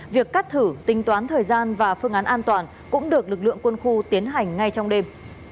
việc cắt thử tính toán thời gian và phương án an toàn cũng được lực lượng quân khu tiến hành ngay trong đêm